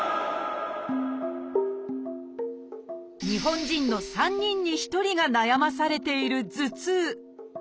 日本人の３人に１人が悩まされている「頭痛」。